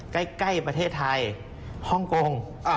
ใกล้ประเทศไทยฮ่องกง